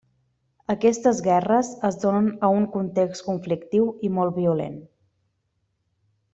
Aquestes guerres es donen a un context conflictiu i molt violent.